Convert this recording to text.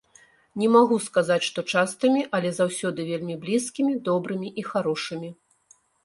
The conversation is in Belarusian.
Не магу сказаць, што частымі, але заўсёды вельмі блізкімі, добрымі і харошымі.